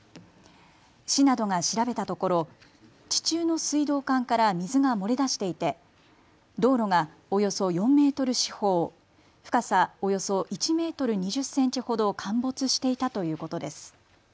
市などが調べたところ地中の水道管から水が漏れ出していて道路がおよそ４メートル四方、深さおよそ１メートル２０センチほど陥没していたということです。